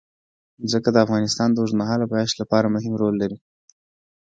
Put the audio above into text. ځمکه د افغانستان د اوږدمهاله پایښت لپاره مهم رول لري.